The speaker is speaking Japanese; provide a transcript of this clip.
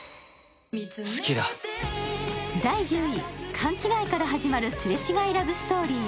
勘違いから始まるすれ違いラブストーリー